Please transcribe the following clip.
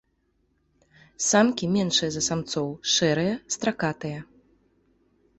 Самкі меншыя за самцоў, шэрыя, стракатыя.